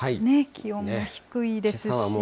気温も低いですし。